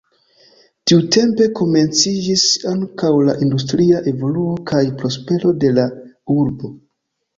Tiutempe komenciĝis ankaŭ la industria evoluo kaj prospero de la urbo.